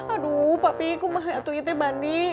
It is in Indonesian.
aduh papi kok mahal itu itu bhandi